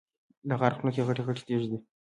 د غار خوله کې غټې غټې تیږې دي.